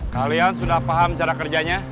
kalian sudah paham cara kerjanya